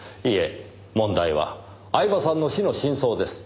問題は饗庭さんの死の真相です。